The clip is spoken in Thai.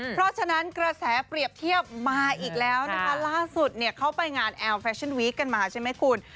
เพราะฉะนั้นกระแสเปรียบเทียบมาอีกแล้วนะคะล่าสุดเนี่ยเขาไปงานแอลแฟชั่นวีคกันมาใช่ไหมคุณ